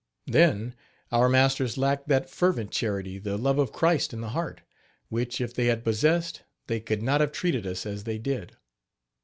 Then our masters lacked that fervent charity, the love of Christ in the heart, which if they had possessed they could not have treated us as they did.